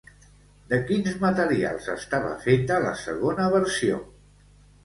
De quins materials estava feta la segona versió?